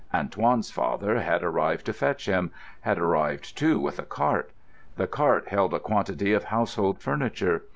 Antoine's father had arrived to fetch him; had arrived too with a cart. The cart held a quantity of household furniture.